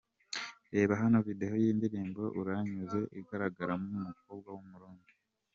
Reba hano Video y’indirimbo Uranyuze igaragaramo umukobwa w’umurundi :.